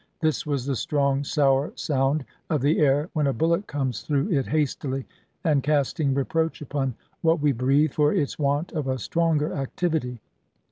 This was the strong sour sound of the air when a bullet comes through it hastily, and casting reproach upon what we breathe, for its want of a stronger activity.